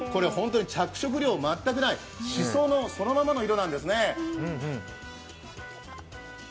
着色料全くないしそのそのままの色なんですね。